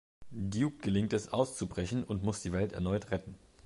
Duke gelingt es auszubrechen und muss die Welt erneut retten.